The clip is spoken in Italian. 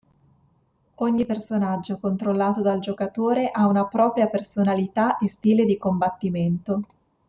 Ogni personaggio controllato dal giocatore ha una propria personalità e stile di combattimento.